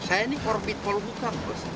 saya ini korbit pohuka